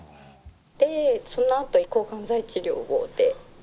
でそのあと抗がん剤治療で。